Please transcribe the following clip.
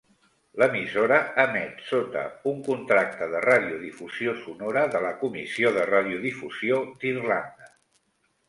L'emissora emet sota un contracte de radiodifusió sonora de la Comissió de Radiodifusió d'Irlanda.